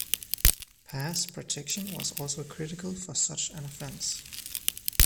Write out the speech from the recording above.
Pass protection was also critical for such an offense.